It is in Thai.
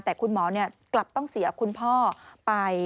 แต่คุณหมอกลับต้องเสียคุณพ่อไป